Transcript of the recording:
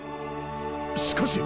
しかし。